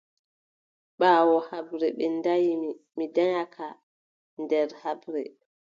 Ɓaawo haɓre ɓe danyi mi, mi danyaaka nder haɓre.